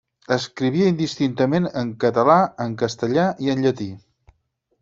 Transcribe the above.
Escrivia indistintament en català, en castellà i en llatí.